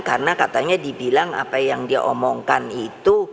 karena katanya dibilang apa yang dia omongkan itu